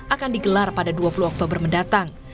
akan digelar pada dua puluh oktober mendatang